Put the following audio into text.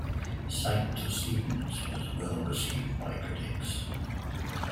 "Sanctus Ignis" was well received by critics.